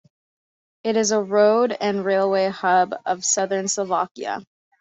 It is a road and railway hub of southern Slovakia.